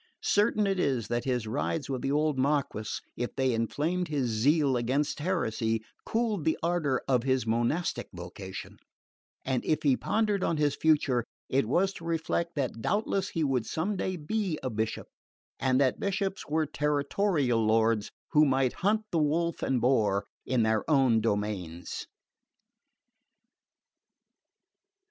Certain it is that his rides with the old Marquess, if they inflamed his zeal against heresy, cooled the ardour of his monastic vocation; and if he pondered on his future, it was to reflect that doubtless he would some day be a bishop, and that bishops were territorial lords, we might hunt the wolf and boar in their own domains.